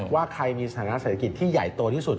ว่าใครมีสถานะเศรษฐกิจที่ใหญ่โตที่สุด